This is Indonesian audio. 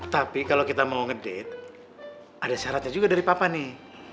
tapi kalau kita mau ngedit ada syaratnya juga dari papa nih